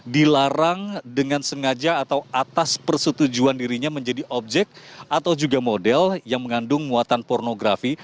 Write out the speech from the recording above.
dilarang dengan sengaja atau atas persetujuan dirinya menjadi objek atau juga model yang mengandung muatan pornografi